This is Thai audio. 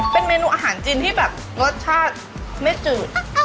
เป็นเมนูอาหารจีนที่แบบรสชาติไม่จืด